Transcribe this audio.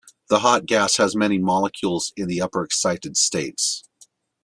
The hot gas has many molecules in the upper excited states.